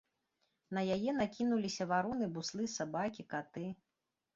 На яе накінуліся вароны, буслы, сабакі, каты.